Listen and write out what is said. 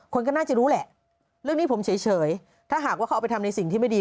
คนก็น่าจะรู้แหละเรื่องนี้ผมเฉยถ้าหากว่าเขาเอาไปทำในสิ่งที่ไม่ดี